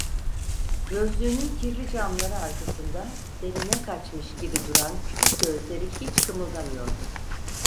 Gözlüğünün kirli camları arkasında derine kaçmış gibi duran küçük gözleri hiç kımıldamıyordu.